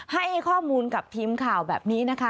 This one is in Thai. ให้ข้อมูลกับทีมข่าวแบบนี้นะคะ